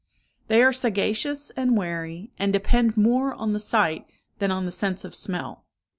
They are sagacious and wary, and depend more on the sight than on the sense of smell.